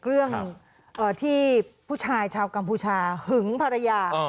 เรื่องที่ผู้ชายชาวกัมพูชาหึงภรรยา